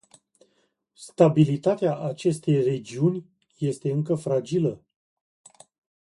Stabilitatea acestei regiuni este încă fragilă.